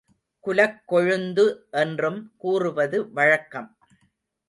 குலக்கொழுந்து என்றும் கூறுவது வழக்கம்.